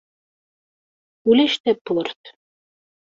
Ulac tawwurt.